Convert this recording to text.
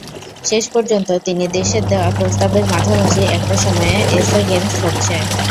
শেষ পর্যন্ত তিন দেশের দেওয়া প্রস্তাবের মাঝামাঝি একটা সময়ে এসএ গেমস হচ্ছে।